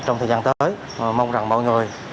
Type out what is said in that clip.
trong thời gian tới mong rằng mọi người